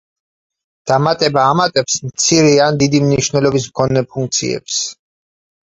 დამატება ამატებს მცირე ან დიდი მნიშვნელობის მქონე ფუნქციებს.